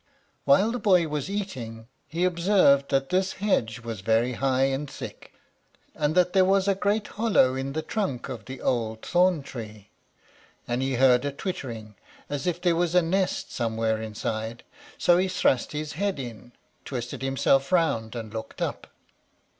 While the boy was eating, he observed that this hedge was very high and thick, and that there was a great hollow in the trunk of the old thorn tree, and he heard a twittering, as if there was a nest somewhere inside; so he thrust his head in, twisted himself round, and looked up.